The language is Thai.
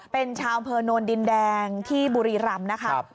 เป็นชาวอำเภอโนนดินแดงที่บุรีรำนะคะ